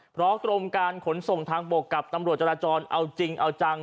เพราะกรมการขนส่งทางบกกับตำรวจจราจรเอาจริงเอาจัง